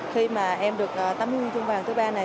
khi mà em được tấm huy chương vàng thứ ba này